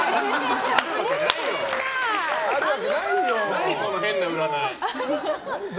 何、その変な占い！